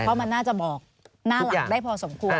เพราะมันน่าจะบอกหน้าหลังได้พอสมควร